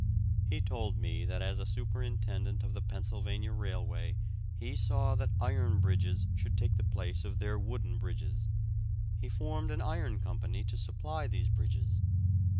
He told me that as a superintendent of the Pennsylvania Railway he saw that iron bridges should take the place of their wooden bridges. He formed an iron company to supply these bridges.